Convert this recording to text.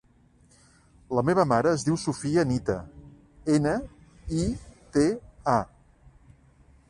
La meva mare es diu Sofía Nita: ena, i, te, a.